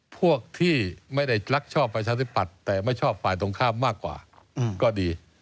พวกที่ไม่ได้รักชอบประชาธิปัตย์แต่ไม่ชอบฝ่ายตรงข้ามมากกว่าก็ดี